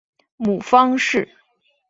母方氏。